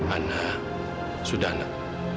anak sudah anak